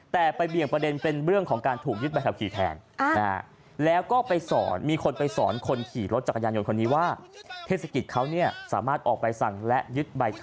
แต่ไปเบี่ยงประเด็นเป็นเรื่องของการถูกยึดใบขับขี่แทน